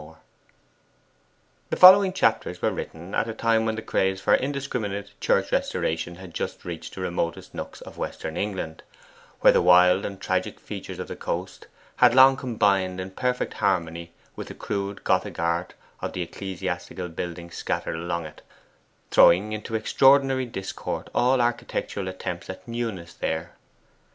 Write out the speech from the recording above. PREFACE The following chapters were written at a time when the craze for indiscriminate church restoration had just reached the remotest nooks of western England, where the wild and tragic features of the coast had long combined in perfect harmony with the crude Gothic Art of the ecclesiastical buildings scattered along it, throwing into extraordinary discord all architectural attempts at newness there.